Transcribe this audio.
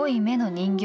「人形」